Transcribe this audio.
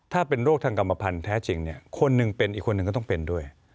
ถ้าเป็นโรคทางกรรมพันธ์แท้จริงคนหนึ่งเป็นอีกคนหนึ่งก็ต้องเป็นด้วย